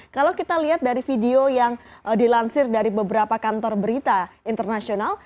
kalau kita lihat dari video yang dilansir dari beberapa kantor berita internasional